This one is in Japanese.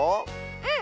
うん。